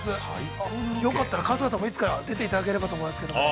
◆よかったら、春日さんもいつか出ていただければと思いますけれども。